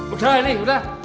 udah ini udah